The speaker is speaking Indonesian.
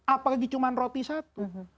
apalagi cuma roti satu